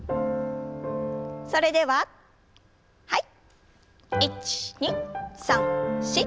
それでははい。